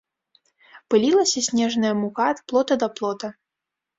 Пылілася снежная мука ад плота да плота.